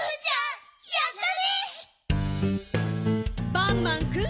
バンバンくん。